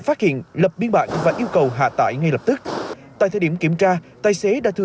phát hiện lập biên bản và yêu cầu hạ tải ngay lập tức tại thời điểm kiểm tra tài xế đã thừa